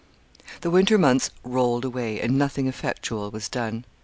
] The winter months rolled away, and nothing effectual was done.